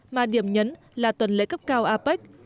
mà điểm nhấn là tuần lễ cấp cao apec